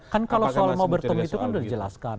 kan kalau soal mau bertemu itu kan sudah dijelaskan